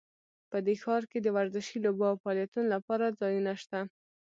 په دې ښار کې د ورزشي لوبو او فعالیتونو لپاره ځایونه شته